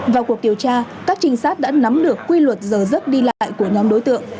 vào cuộc điều tra các trinh sát đã nắm được quy luật giờ giấc đi lại của nhóm đối tượng